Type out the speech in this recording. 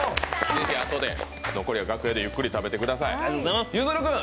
ぜひあとで、残りは楽屋で食べてください。